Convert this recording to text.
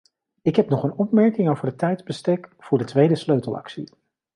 Ik heb nog een opmerking over het tijdsbestek voor de tweede sleutelactie.